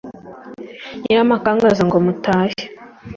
Nyiramakangaza ngo nimutahe.